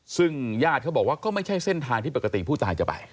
ซึ่งญาติเขาบอกว่าก็ไม่ใช่เส้นทางที่ปกติผู้ตายจะไป